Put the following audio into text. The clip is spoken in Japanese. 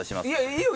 いいよ。